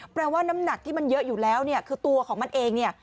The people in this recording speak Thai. ว่าน้ำหนักที่มันเยอะอยู่แล้วเนี่ยคือตัวของมันเองเนี่ย